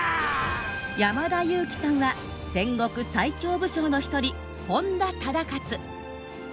山田裕貴さんは戦国最強武将の一人本多忠勝。